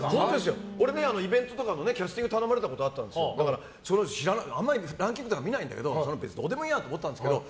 イベントとかのキャスティング頼まれたことあるんですけどランキングとか見ないんだけどどうでもいいやって思ってたんですけど